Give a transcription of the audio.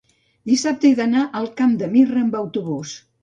Dissabte he d'anar al Camp de Mirra amb autobús.